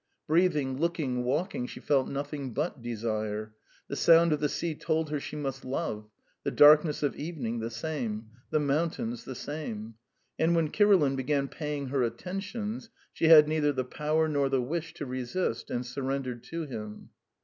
Breathing, looking, walking, she felt nothing but desire. The sound of the sea told her she must love; the darkness of evening the same; the mountains the same. ... And when Kirilin began paying her attentions, she had neither the power nor the wish to resist, and surrendered to him.